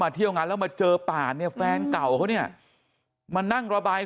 เที่ยวงานแล้วมาเจอป่านเนี่ยแฟนเก่าเขาเนี่ยมานั่งระบาย